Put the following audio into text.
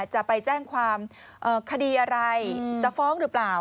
จะไปแจ้งความคดีอะไรจะฟ้องหรือเปล่า